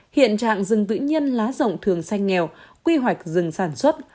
hiện trạng rừng vĩ nhân lá rộng thường xanh nghèo quy hoạch rừng sản xuất